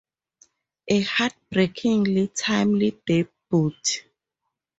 A heartbreakingly timely debut.